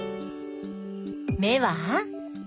目は？